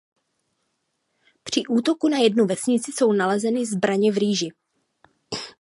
Při útoku na jednu vesnici jsou nalezeny zbraně v rýži.